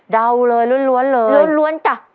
เดาเลยล้วนเลย